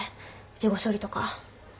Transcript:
事後処理とか。